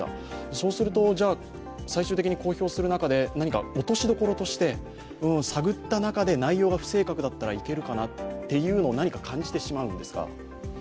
そうすると、じゃ最終的に公表する中で何か落としどころとして、探った中で内容が不正確だったらいけるかなと何か感じてしまうんですが。